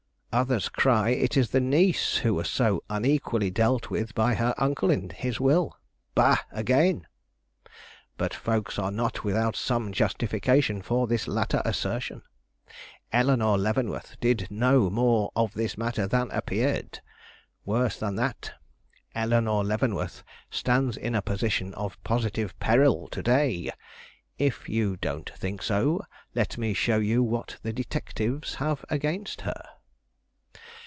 Others cry it is the niece who was so unequally dealt with by her uncle in his will: bah! again. But folks are not without some justification for this latter assertion. Eleanore Leavenworth did know more of this matter than appeared. Worse than that, Eleanore Leavenworth stands in a position of positive peril to day. If you don't think so, let me show you what the detectives have against her.